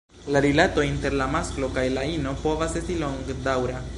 La rilato inter la masklo kaj la ino povas estis longdaŭra.